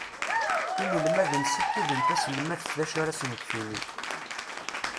Inelmaden sikiden taselmadt d acu ara sen-d-tini.